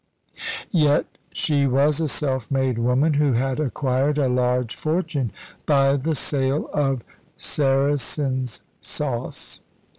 Yet she was a self made woman, who had acquired a large fortune by the sale of "Saracen's Sauce."